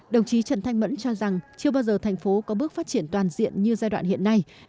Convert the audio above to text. đồng chí trần thanh mẫn cho rằng chưa bao giờ thành phố có bước phát triển toàn diện như giai đoạn hiện nay